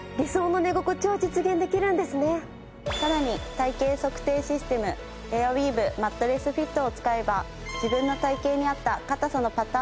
さらに体形測定システムエアウィーヴマットレス・フィットを使えば自分の体形に合った硬さのパターンがわかります。